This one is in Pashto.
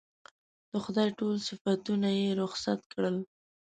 د خدای ټول صفتونه یې رخصت کړل.